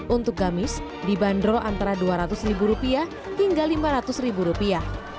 untuk gamis dibanderol antara dua ratus ribu rupiah hingga lima ratus ribu rupiah